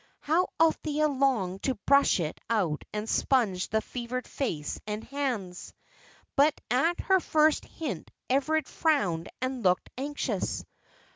How Althea longed to brush it out and sponge the fevered face and hands! But at her first hint Everard frowned and looked anxious.